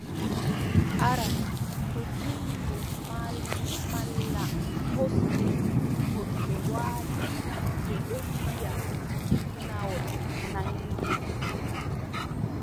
Aran, to junngo malla kosngal goɗɗo waati, yimɓe ɗon mbiʼa ɗum ginnawol nanngi mo.